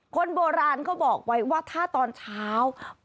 คนโบราณเขาบอกไว้ว่าถ้าตอนเช้า